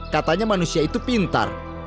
katanya manusia itu pintar